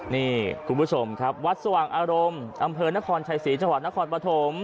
นี่คุณผู้ชมครับวัดสว่างอารมณ์อำเภอนครชัยศรีจังหวัดนครปฐม